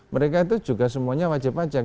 mereka itu juga semuanya wajib pajak